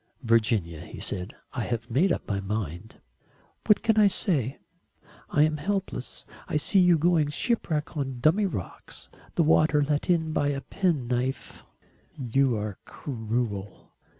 "Virginia," he said, "I have made up my mind." "What can I say? I am helpless. I see you going shipwreck on dummy rocks the water let in by a penknife." "You are cruel."